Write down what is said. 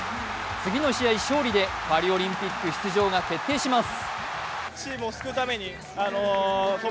次の試合勝利でパリオリンピック出場が決定します。